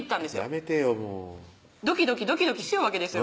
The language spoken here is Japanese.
やめてよもうドキドキドキドキしようわけですよ